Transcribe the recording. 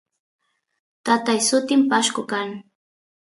tatay sutin pashku kan